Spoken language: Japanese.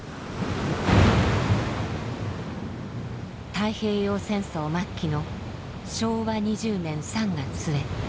太平洋戦争末期の昭和２０年３月末。